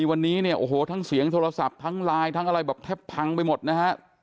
วันนี้ทั้งเสียงโทรศัพท์ทั้งไลน์แทบพังไปหมดนะฮะ